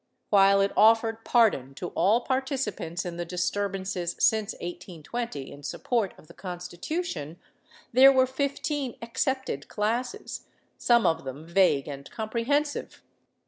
While it offered pardon to all participants in the disturbances since 1820 in support of the Constitution, there were fifteen excepted classes, some of them vague and com prehensive.